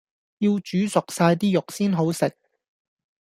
要煮熟晒啲肉先好食